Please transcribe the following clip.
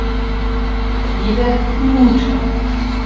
Jede Minute.